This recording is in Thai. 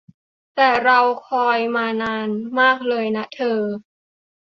แต่เราคอยล์มานานมากเลยนะเธอ